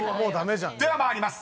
［では参ります。